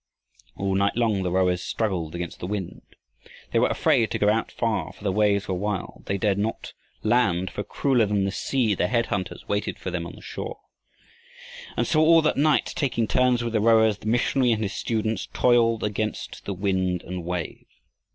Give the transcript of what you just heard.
All night long the rowers struggled against the wind. They were afraid to go out far for the waves were wild, they dared not land, for, crueler than the sea, the head hunters waited for them on the shore. And so all that night, taking turns with the rowers, the missionary and his students toiled against the wind and wave.